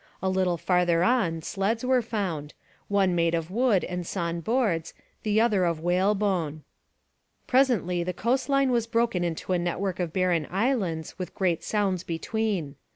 A little farther on sleds were found, one made of wood and sawn boards, the other of whalebone. Presently the coast line was broken into a network of barren islands with great sounds between.